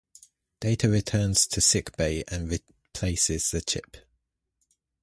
Data returns to Sickbay and replaces the chip.